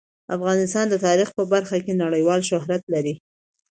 افغانستان د تاریخ په برخه کې نړیوال شهرت لري.